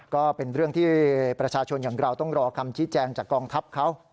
ก็เป็นเรื่องที่ประชาชนอย่างเราต้องรอคำชี้แจงจากกองทัพเขา